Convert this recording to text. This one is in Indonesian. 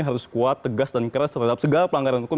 harus kuat tegas dan keras terhadap segala pelanggaran hukum